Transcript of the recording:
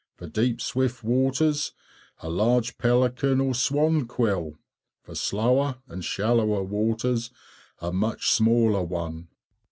For deep swift waters, a large pelican or swan quill, for slower and shallower waters a much smaller one.